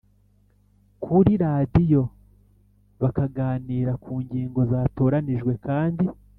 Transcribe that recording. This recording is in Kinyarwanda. kuri radiyo bakaganira ku ngingo zatoranyijwe kandi